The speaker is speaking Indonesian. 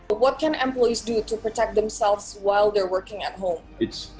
apa yang bisa pekerja melindungi diri mereka saat bekerja di rumah